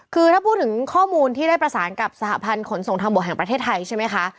คือถ้าพูดถึงข้อมูลที่ได้ประสานกับสหพันธ์ขนส่งทางบกแห่งประเทศไทยใช่ไหมคะ